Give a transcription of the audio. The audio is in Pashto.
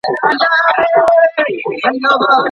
د جرګي غړو به د هیواد د کلتور د ساتني هڅه کوله.